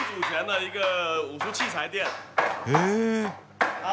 へえ。